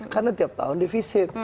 karena tiap tahun defisit